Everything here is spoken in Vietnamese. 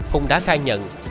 hùng đã khai nhận